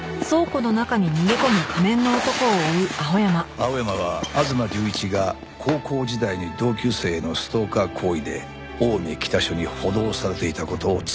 青山は吾妻隆一が高校時代に同級生へのストーカー行為で青梅北署に補導されていた事をつかんだ。